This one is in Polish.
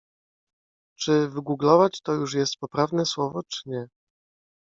Czy "wygooglować" to już jest poprawne słowo czy nie?